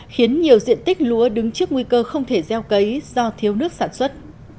khiến nhiều diện tích lúa đứng trước nguy cơ không thể gieo cấy do thiếu nước sản xuất